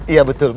iya betul bu